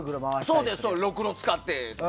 そうですよ、ろくろ使って。